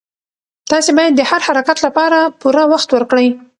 تاسي باید د هر حرکت لپاره پوره وخت ورکړئ.